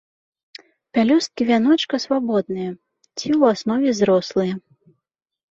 Пялёсткі вяночка свабодныя ці ў аснове зрослыя.